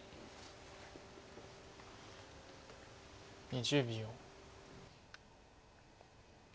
２０秒。